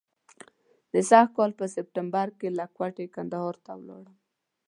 د سږ کال په سپټمبر کې له کوټې کندهار ته ولاړم.